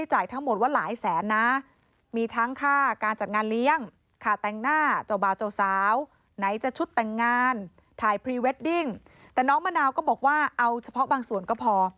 ไหนจะชุดแต่งงานถ่ายพรีเวดดิ้งแต่น้องมะนาวก็บอกว่าเอาเฉพาะบางส่วนก็พอ